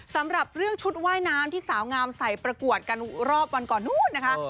สำหรับเรื่องชุดว่ายน้ำที่สาวงามใส่ประกวดกันรอบวันก่อนนู้นนะคะ